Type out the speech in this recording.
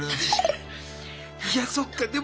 いやそっか。